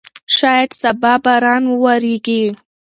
شاید سبا باران وورېږي.